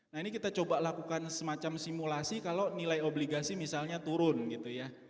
nah ini kita coba lakukan semacam simulasi kalau nilai obligasi misalnya turun gitu ya